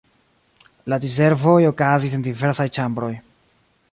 La diservoj okazis en diversaj ĉambroj.